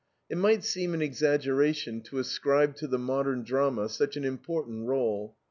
It might seem an exaggeration to ascribe to the modern drama such an important role.